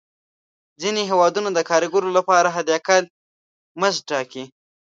ځینې هېوادونه د کارګرو لپاره حد اقل مزد ټاکي.